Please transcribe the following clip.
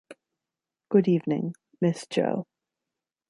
Good evening, Miss Jo.